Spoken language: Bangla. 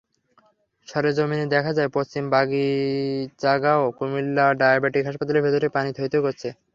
সরেজমিনে দেখা যায়, পশ্চিম বাগিচাগাঁও কুমিল্লা ডায়াবেটিক হাসপাতালের ভেতরে পানি থইথই করছে।